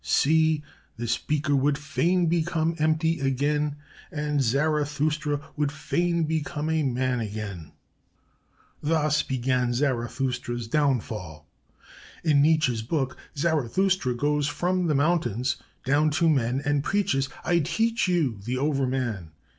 "'See! This beaker would fain become empty again, and Zarathustra would fain become a man again. "' Thus began Zarathustra's downfall.' "In Nietzsche's book, Zarathustra goes from the mountains down to men and preaches: 'I teach you the Over man.